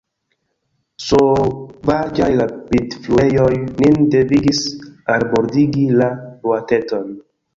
Sovaĝaj rapidfluejoj nin devigis albordigi la boateton.